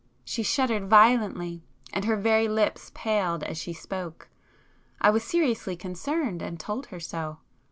She shuddered violently, and her very lips paled as she spoke. I was seriously concerned, and told her so.